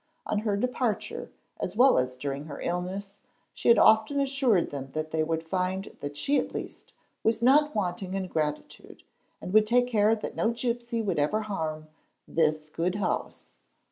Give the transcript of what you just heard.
On her departure, as well as during her illness, she had often assured them that they would find that | she at least was not wanting in gratitude and would take care that no q gipsy would ever harm "this good house.""